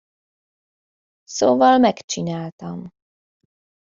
Szóval megcsináltam.